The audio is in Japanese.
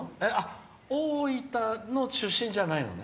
大分の出身じゃないのね。